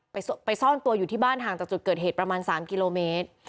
ไปไปซ่อนตัวอยู่ที่บ้านห่างจากจุดเกิดเหตุประมาณ๓กิโลเมตร